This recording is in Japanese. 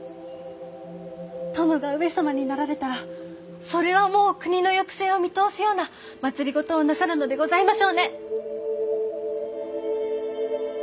殿が上様になられたらそれはもう国の行く末を見通すような政をなさるのでございましょうねぇ。